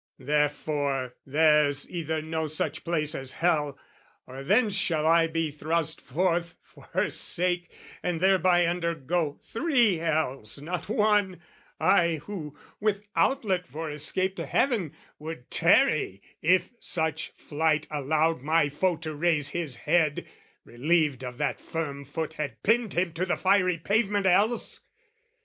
Therefore there's either no such place as hell, Or thence shall I be thrust forth, for her sake, And thereby undergo three hells, not one I who, with outlet for escape to heaven, Would tarry if such flight allowed my foe To raise his head, relieved of that firm foot Had pinned him to the fiery pavement else!